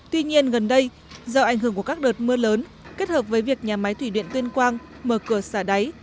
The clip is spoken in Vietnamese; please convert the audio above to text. tuy nhiên gần đây do ảnh hưởng của các đợt mưa lớn kết hợp với việc nhà máy thủy điện tuyên quang mở cửa xả đáy